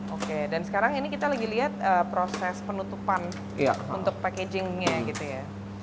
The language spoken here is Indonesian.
oke dan sekarang ini kita lagi lihat proses penutupan untuk packagingnya gitu ya